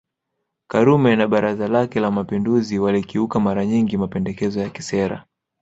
Karume na Baraza lake la Mapinduzi walikiuka mara nyingi mapendekezo ya kisera